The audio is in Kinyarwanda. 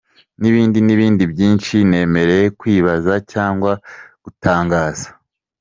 N’ibindi n’ibindi byinshi…ntemerewe kwibaza cyangwa gutangaza.